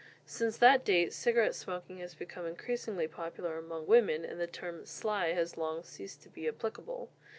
Since that date cigarette smoking has become increasingly popular among women, and the term "sly" has long ceased to be applicable.